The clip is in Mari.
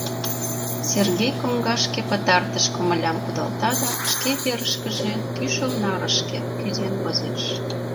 Сергей коҥгашке пытартыш комылям кудалта да шке верышкыже, кӱшыл нарышке, кӱзен возеш.